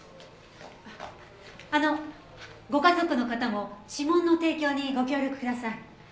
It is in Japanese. あのご家族の方も指紋の提供にご協力ください。